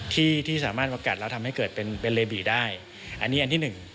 ที่สามารถกัดและทำให้เกิดเป็นเรบีได้อันนี้อันที่หนึ่ง